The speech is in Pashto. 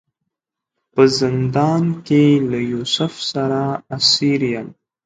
په زندان کې له یوسف سره اسیر یم.